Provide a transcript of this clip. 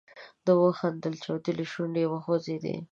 ده وخندل، چاودلې شونډې یې وخوځېدې.